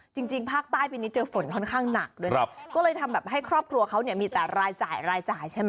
จริงภาคใต้ปีนี้เจอฝนค่อนข้างหนักด้วยนะก็เลยทำแบบให้ครอบครัวเขามีแต่รายจ่ายใช่ไหม